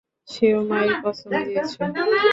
সেও মায়ের কসম দিয়েছে!